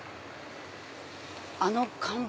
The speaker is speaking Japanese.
あの看板！